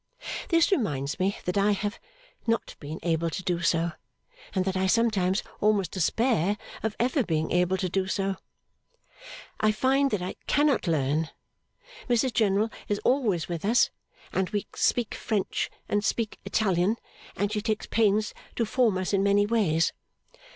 This reminds me that I have not been able to do so, and that I sometimes almost despair of ever being able to do so. I find that I cannot learn. Mrs General is always with us, and we speak French and speak Italian, and she takes pains to form us in many ways.